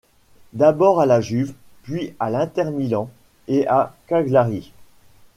D'abord à la Juve, puis à l'Inter Milan, et à Cagliari.